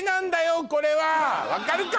分かるか？